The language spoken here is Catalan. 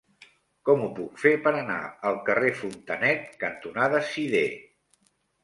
Com ho puc fer per anar al carrer Fontanet cantonada Sidé?